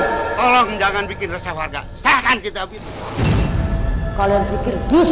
sekolah kalian tolong jangan bikin resah warga saya akan kitab itu kalian pikir bisa